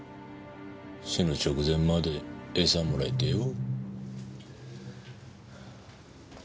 死ぬ直前までエサもらえてよ。